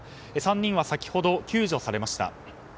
３人は先ほど救助されました。